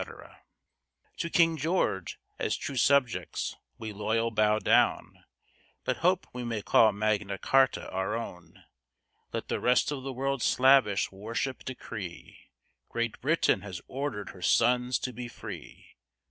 To King George, as true subjects, we loyal bow down, But hope we may call Magna Charta our own. Let the rest of the world slavish worship decree, Great Britain has ordered her sons to be free.